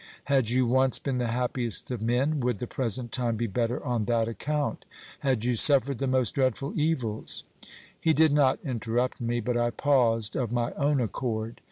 Had you once been the happiest of men, would the present time be better on that account? Had you suffered the most dreadful evils —" He did not interrupt me, but I paused of my own accord.